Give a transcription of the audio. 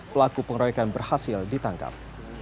pelaku pengeroyekan berhasil ditangkap